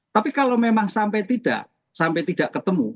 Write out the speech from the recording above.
tapi kalau memang sampai tidak sampai tidak ketemu